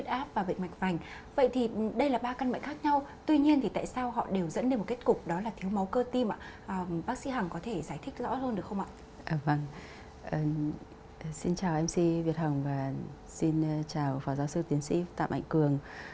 chào phó giáo sư tiến sĩ tạm anh cường